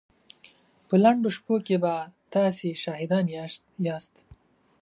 په لنډو شپو کې به تاسې شاهدان ياست.